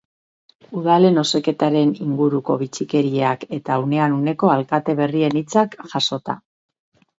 Udalen osaketaren inguruko bitxikeriak eta unean uneko alkate berrien hitzak jasota.